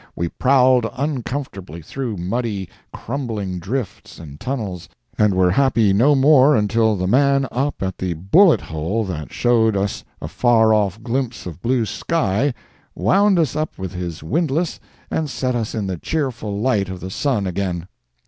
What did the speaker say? We prowled uncomfortably through muddy, crumbling drifts, and tunnels, and were happy no more until the man up at the bullet hole that showed us a far off glimpse of blue sky, wound us up with his windlass and set us in the cheerful light of the sun again.